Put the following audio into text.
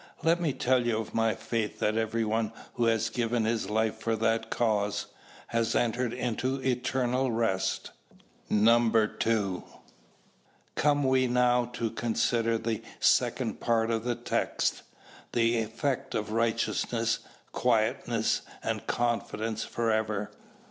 Let me tell you of my faith that every one who has given his life for that cause, has entered into eternal rest. II. Come we now to consider the second part of the text: "the effect of righteousness, quietness and confidence forever."